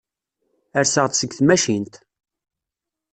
Rseɣ-d seg tmacint.